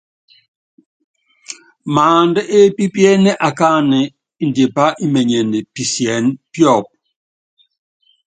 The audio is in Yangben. Maándá épípíéné akáánɛ́, índipá imenyene pisiɛ́nɛ píɔ́pú.